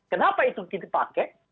kenapa itu kita pakai